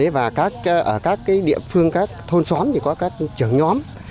và ở các địa phương các thôn xóm thì có các trưởng nhóm